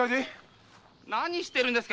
何してるんですか？